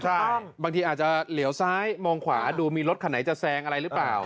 ใช่บางทีอาจจะเหลียวซ้ายมองขวาดูมีรถคันไหนจะแซงอะไรหรือเปล่า